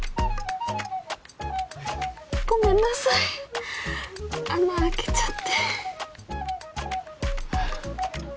ごめんなさい穴開けちゃって。